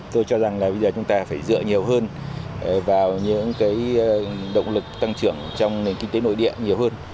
tôi cho rằng là bây giờ chúng ta phải dựa nhiều hơn vào những cái động lực tăng trưởng trong nền kinh tế nội địa nhiều hơn